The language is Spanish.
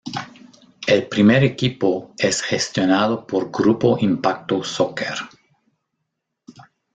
El primer equipo es gestionado por Grupo Impacto Soccer.